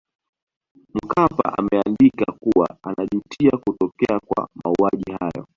Mkapa ameandika kuwa anajutia kutokea kwa mauaji hayo